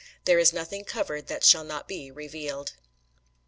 "There is nothing covered that shall not be revealed."